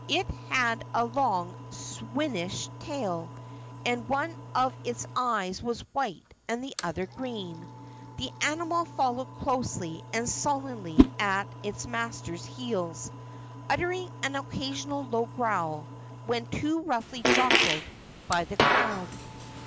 It had a long, swinish tail, and one of its eyes was white and the other green. The animal followed closely and sullenly at its master's heels, uttering an occasional low growl when too roughly jostled by the crowd.